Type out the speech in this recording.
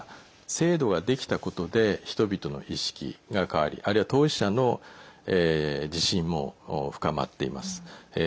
制度ができたことで人々の意識が変わりあるいは当事者の自信も深まっています。